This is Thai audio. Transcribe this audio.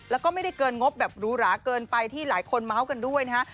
แล้วก็ไม่ได้เกินงบแบบหรูหราเกินไปที่หลายคนเมาส์กันด้วยนะฮะ